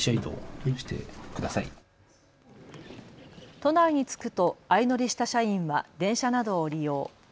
都内に着くと相乗りした社員は電車などを利用。